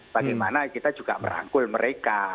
bagaimana kita juga merangkul mereka